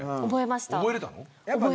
覚えました。